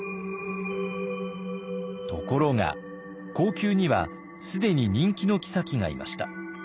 ところが後宮には既に人気の后がいました。